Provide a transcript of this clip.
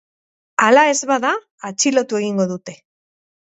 Hala ez bada, atxilotu egingo dute.